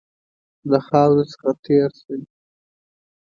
له خاوري څخه تېر شي.